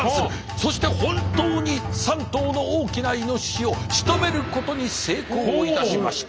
そして本当に３頭の大きなイノシシをしとめることに成功いたしました。